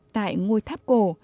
tại ngôi tháp cổ